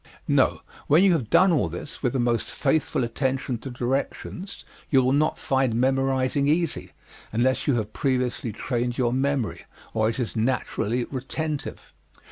No, when you have done all this, with the most faithful attention to directions, you will not find memorizing easy, unless you have previously trained your memory, or it is naturally retentive.